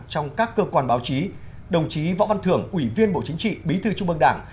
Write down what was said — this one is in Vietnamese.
trong các cơ quan báo chí đồng chí võ văn thưởng ủy viên bộ chính trị bí thư trung mương đảng